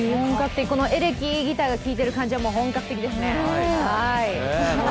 このエレキギターが効いてる感じは本格的ですね。